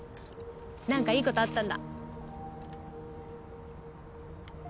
何かいいことあったんだ